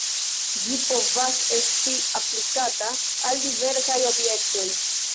Ĝi povas esti aplikata al diversaj objektoj.